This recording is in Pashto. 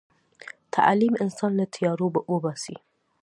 تعلیم انسان له تیارو وباسي.